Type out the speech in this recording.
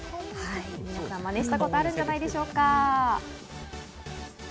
皆さん、マネしたことあるんじゃないでしょうか。